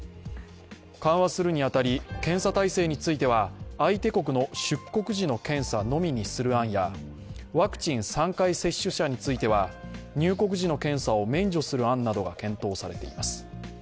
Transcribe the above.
緩和するに当たり、検査体制については、相手国の出国時の検査のみにする案やワクチン３回接種者については、入国時の検査を免除する案などが検討されています。